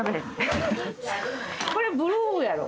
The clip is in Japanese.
・これブルーやろ。